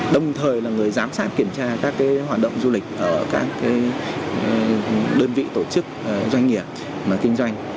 đồng thời là người giám sát kiểm tra các hoạt động du lịch ở các đơn vị tổ chức doanh nghiệp kinh doanh